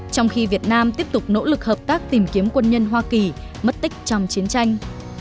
trong khi việt nam tiếp tục nỗ lực hợp tác tìm kiếm quân nhân hoa kỳ mất tích trong chiến tranh